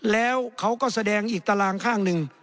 แล้วเขาก็แสดงอีกตารางข้างหนึ่ง